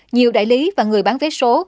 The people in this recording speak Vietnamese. nhiều đại lý và người bán vé số